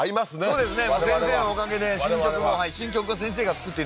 そうですね